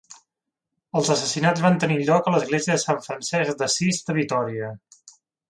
Els assassinats van tenir lloc a l'església de Sant Francesc d'Assís de Vitòria.